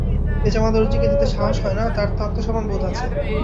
এ জামা দরজিকে দিতে সাহস হয় না, তার তো আত্মসম্মানবোধ আছে।